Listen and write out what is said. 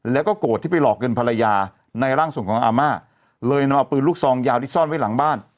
แล้วก็โกรธที่ไปหลอกเงินภรรยาในร่างทรงของอาม่าเลยนำเอาปืนลูกซองยาวที่ซ่อนไว้หลังบ้าน